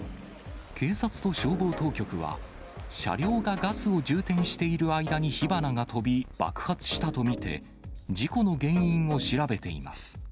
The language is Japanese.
警察と消防当局は、車両がガスを充填している間に火花が飛び、爆発したと見て、事故の原因を調べています。